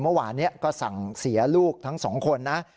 เมื่อวานนี้ก็สั่งเสียลูกทั้งสองคนนะ